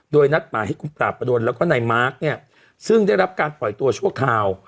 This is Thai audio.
โดยนัดขึ้นมาให้คุณปราปโดนแล้วก็มากเนี้ยซึ่งได้รับการปล่อยตัวชั่วค่าว